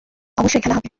অবশ্যই, খেলা হবে!